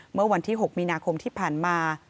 เมื่อวันที่๖มีนาคมที่ผ่านมา